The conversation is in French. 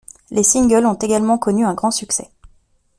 Les singles ont également connu un grand succès.